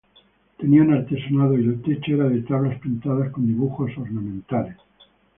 Tenía un artesonado y el techo era de tablas pintadas con dibujos ornamentales.